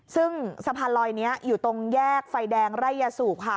ซึ่งสะพานลอยนี้อยู่ตรงแยกไฟแดงไร่ยาสูบค่ะ